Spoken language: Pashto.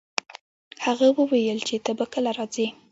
هغه وویل چي ته به کله راځي؟